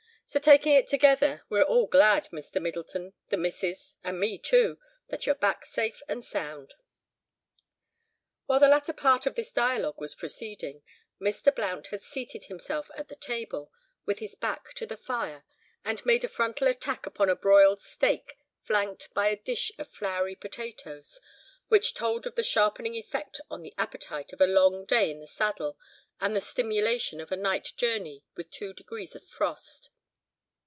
So taking it altogether, we're all glad, Mr. Middleton, the missis, and me too, that you're back safe and sound." While the latter part of this dialogue was proceeding, Mr. Blount had seated himself at the table with his back to the fire, and made a frontal attack upon a broiled steak flanked by a dish of floury potatoes, which told of the sharpening effect on the appetite of a long day in the saddle, and the stimulation of a night journey with two degrees of frost.